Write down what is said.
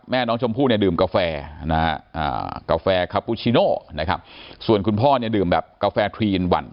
แม่น้องชมพู่เนี่ยดื่มกาแฟนะฮะกาแฟคาปูชิโน่นะครับส่วนคุณพ่อเนี่ยดื่มแบบกาแฟทรีอินวัน